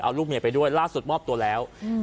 เอาลูกเมียไปด้วยล่าสุดมอบตัวแล้ว